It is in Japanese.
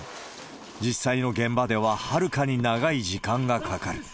実際の現場でははるかに長い時間がかかる。